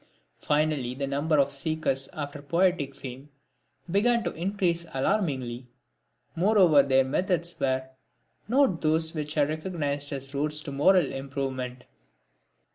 Finally the number of seekers after poetic fame began to increase alarmingly; moreover their methods were not those which are recognised as roads to moral improvement.